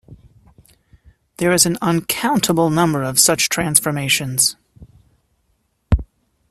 There is an uncountable number of such transformations.